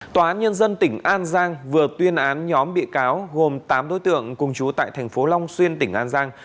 tòa án nhân dân tỉnh an giang vừa tuyên án nhóm bị cáo gồm tám đối tượng cùng chú tại thành phố long xuyên tỉnh an giang